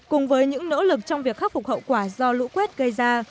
cùng với những nỗ lực trong việc khắc phục hậu quả do lũ quét gây ra